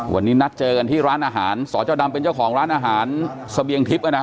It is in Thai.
วันนี้นัดเจอกันที่ร้านอาหารสจดำเป็นเจ้าของร้านอาหารเสบียงทิพย์